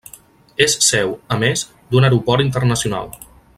És seu, a més, d'un aeroport internacional.